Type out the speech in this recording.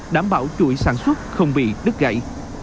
đảm bảo chuỗi sản xuất không bị đứt gãy